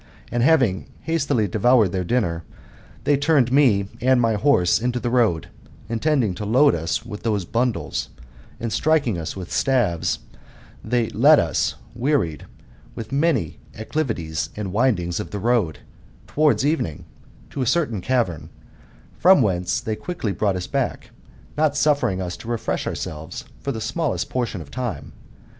And having hastily devoured their dinner, they turned me and my horse into the road, intending to load us with those 6 One of the Satyrs of thf wood. A s too IHb ittttAilbkpttosis, ok bundled ; and strikitig us with stAref, they led tts, wearied with the thany acclivities and windings of the road, towards evening, to a certain cavern, from whence they quickly brought us back, not suffering us to refresh ourselves for the smallest portion of time.